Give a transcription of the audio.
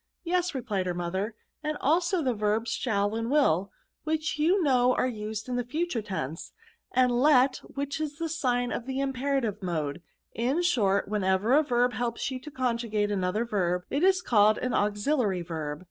" Yes, replied her mother ;" and also the verbs shall and mil, which you know are used in the future tense ; and lety which is the i^ign of the imperative mode ; in short, whenever a verb helps you to conjugate an other verb, it is called an auxiliary verb.